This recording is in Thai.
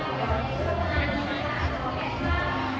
ท้องมือค่ะ